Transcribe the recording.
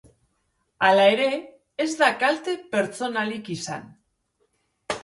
Hala ere, ez da kalte pertsonalik izan.